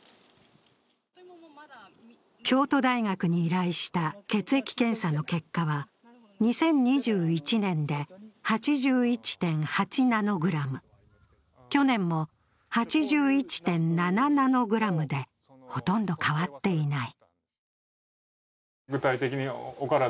京都大学に依頼した血液検査の結果は、２０２１年で８１．８７ナノグラム、去年も８１．７ナノグラムでほとんど変わっていない。